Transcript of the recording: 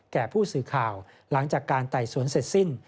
แก่ผู้สื่อข่าวหลังจากการไต่สวนเสร็จสิ้น